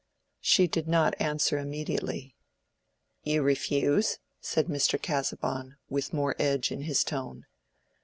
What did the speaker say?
She did not answer immediately. "You refuse?" said Mr. Casaubon, with more edge in his tone.